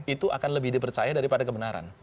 itu akan lebih dipercaya daripada kebenaran